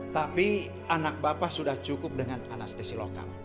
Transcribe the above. tapi anak bapak sudah cukup dengan anestesi lokal